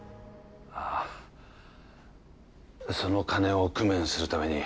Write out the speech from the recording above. ああその金を工面するために